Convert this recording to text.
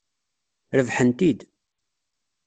Rebḥen-t-id.